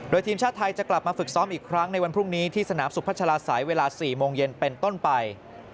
ทีมชาติไทยจะกลับมาฝึกซ้อมอีกครั้งในวันพรุ่งนี้ที่สนามสุพัชลาศัยเวลา๔โมงเย็นเป็นต้นไป